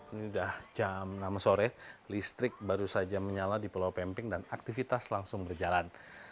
ini sudah jam enam sore listrik baru saja menyala di pulau pemping dan aktivitas langsung berjalan